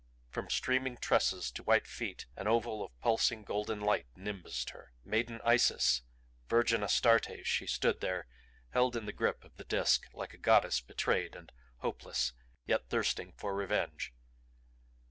From streaming tresses to white feet an oval of pulsing, golden light nimbused her. Maiden Isis, virgin Astarte she stood there, held in the grip of the Disk like a goddess betrayed and hopeless yet thirsting for vengeance.